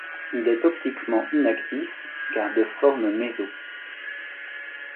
Il est optiquement inactif car de forme méso.